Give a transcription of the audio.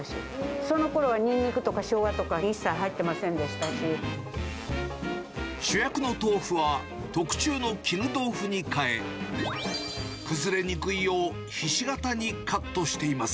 そのころはにんにくとかしょうがとか、主役の豆腐は特注の絹豆腐に変え、崩れにくいよう、ひし形にカットしています。